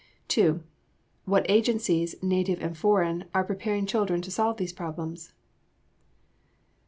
2. What agencies, native and foreign, are preparing children to solve these problems?